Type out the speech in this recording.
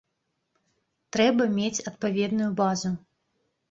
Трэба мець адпаведную базу.